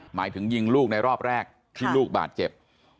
หมายถึงยิงลูกในรอบแรกที่ลูกบาดเจ็บ